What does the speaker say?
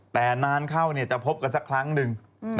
แต่นานเข้าจะพบกันสักครั้งหนึ่ง